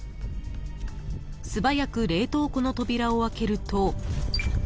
［素早く冷凍庫の扉を開けると］